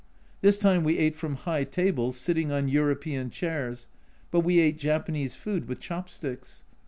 This time we ate from high tables, sitting on European chairs, but we ate Japanese food with chop sticks